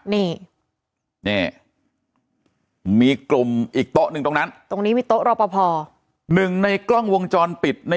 นี่นี่มีกลุ่มอีกโต๊ะหนึ่งตรงนั้นตรงนี้มีโต๊ะรอปภหนึ่งในกล้องวงจรปิดใน